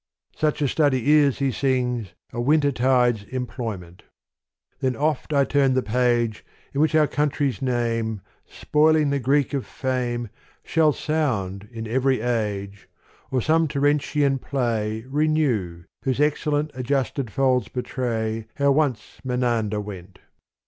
Such a study is, he sings, a win tertide's employment : Then oft I turn the page In which our country's name, Spoiling the Greek of fame, Shall sound in every age : Or some Terentian play Renew, whose excellent Adjusted folds betray How once Menander went.